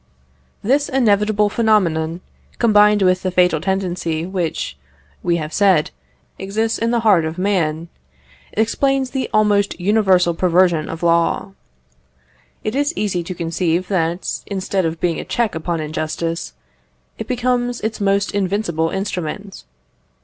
This inevitable phenomenon, combined with the fatal tendency which, we have said, exists in the heart of man, explains the almost universal perversion of law. It is easy to conceive that, instead of being a check upon injustice, it becomes its most invincible instrument.